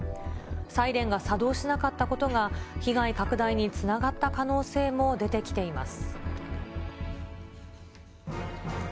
サイレンが作動しなかったことが、被害拡大につながった可能性も出てきています。